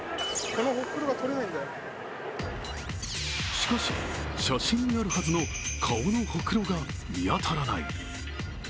しかし、写真にあるはずの顔のほくろが見当たらない。